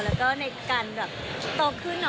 แล้วก็ในการแบบโตขึ้น